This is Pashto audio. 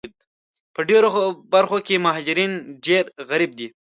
په ډېرو برخو کې مهاجرین ډېر غریب دي